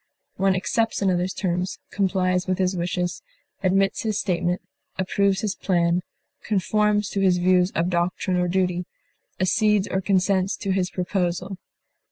One accepts another's terms, complies with his wishes, admits his statement, approves his plan, conforms to his views of doctrine or duty, accedes or consents to his proposal.